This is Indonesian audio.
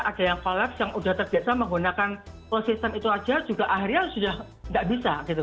ada yang collaps yang sudah terbiasa menggunakan closed system itu saja juga akhirnya sudah tidak bisa gitu